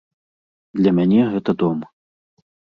Для мяне гэта дом.